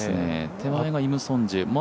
手前がイムソンジェ。